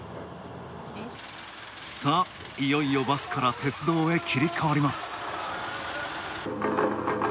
さあ、いよいよバスから鉄道へ切り替わります。